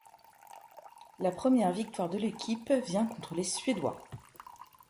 La première victoire de l'équipe vient contre les Suédois.